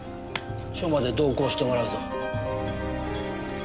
署まで同行してもらうぞ。